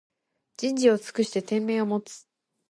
人事を尽くして天命を待つ